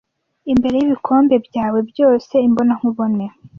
Imbere y'ibikombe byawe byose, imbonankubone,